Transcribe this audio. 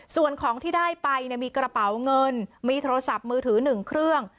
ส่วนของที่ได้ไปมีกระเป๋าเงินมีโทรศัพท์มือถือ๑เครื่อง